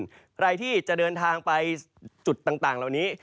ใครที่จะเดินทางไปจุดต่างเหล่านี้